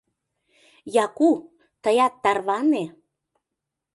— Яку, тыят тарване.